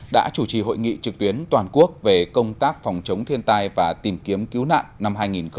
đã chủ trì hội nghị trực tuyến toàn quốc về công tác phòng chống thiên tai và tìm kiếm cứu nạn năm hai nghìn hai mươi